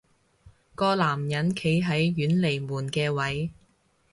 個男人企喺遠離門嘅位